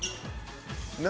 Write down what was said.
何？